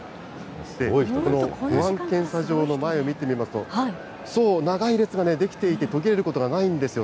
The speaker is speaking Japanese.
保安検査場の前を見てみますと、長い列が出来ていて、途切れることがないんですよ。